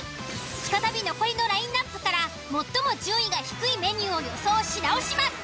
再び残りのラインアップから最も順位が低いメニューを予想し直します。